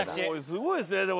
すごいですねでも。